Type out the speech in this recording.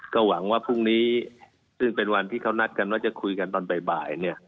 ก็หวังว่าพรุ่งนี้ซึ่งเป็นวันที่เขานัดกันว่าจะคุยกันตอนบ่ายเนี่ย